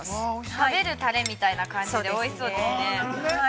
◆食べるタレみたいな感じでおいしそうですね。